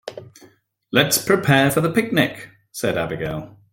"Let's prepare for the picnic!", said Abigail.